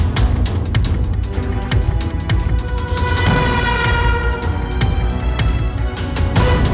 makasih pak ustadz